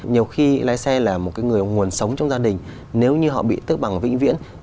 nhiều khi lái xe là một người nguồn sống trong gia đình nếu như họ bị tức bằng vĩnh viễn